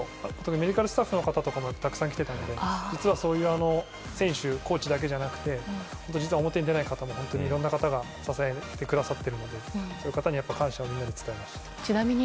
メディカルスタッフの方もたくさん来ていたので実は選手、コーチだけじゃなくて表に出ない方も本当にいろんな方が支えてくださっているのでそういう方に感謝をみんなで伝えました。